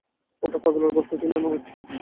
ওটা পাগুলে অবস্থা ছিল না, ম্যাক্স।